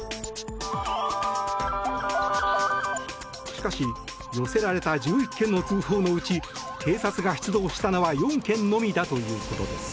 しかし寄せられた１１件の通報のうち警察が出動したのは４件のみだということです。